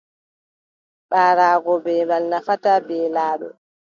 Ɓaraago beembal nafataa beelaaɗo.